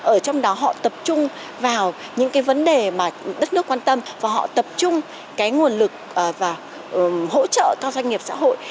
ở trong đó họ tập trung vào những cái vấn đề mà đất nước quan tâm và họ tập trung cái nguồn lực và hỗ trợ cho doanh nghiệp xã hội